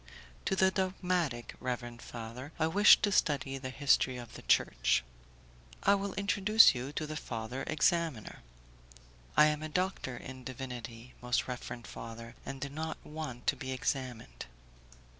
"To the dogmatic, reverend father; I wish to study the history of the Church." "I will introduce you to the father examiner." "I am doctor in divinity, most reverend father, and do not want to be examined."